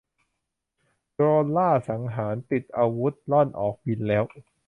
โดรนล่าสังหารติดขีปนาวุธร่อนออกบินแล้ว